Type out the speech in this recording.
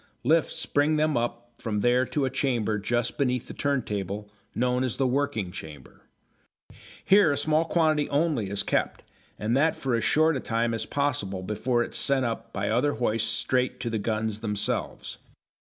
Lifts bring them up from there to a chamber just beneath the turntable, known as the working chamber. Here a small quantity only is kept, and that for as short a time as possible before it is sent up by other hoists straight to the guns themselves.